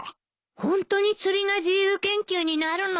ホントに釣りが自由研究になるの？